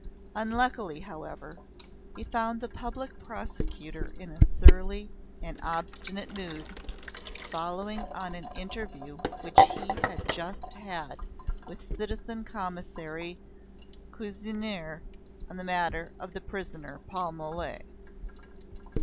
Unluckily, however, he found the Public Prosecutor in a surly and obstinate mood, following on an interview which he had just had with citizen Commissary Cuisinier on the matter of the prisoner Paul Mole.